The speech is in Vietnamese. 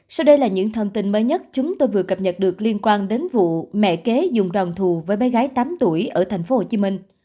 sau đây là những thông tin mới nhất chúng tôi vừa cập nhật được liên quan đến vụ mẹ kế dùng đòn thù với bé gái tám tuổi ở tp hcm